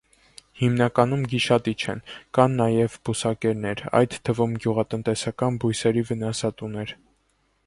Հիմնականում գիշատիչ են, կան նաև բուսակերներ, այդ թվում՝ գյուղատնտեսական բույսերի վնասատուներ։